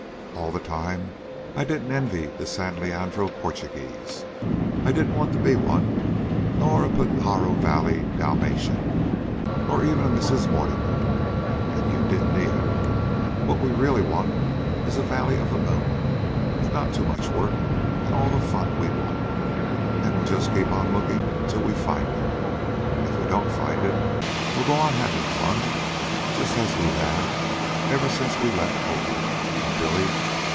All the time I didn't envy the San Leandro Portuguese. I didn't want to be one, nor a Pajaro Valley Dalmatian, nor even a Mrs. Mortimer. And you didn't either. What we want is a valley of the moon, with not too much work, and all the fun we want. And we'll just keep on looking until we find it. And if we don't find it, we'll go on having the fun just as we have ever since we left Oakland. And, Billy...